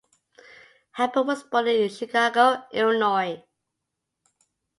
Hempel was born in Chicago, Illinois.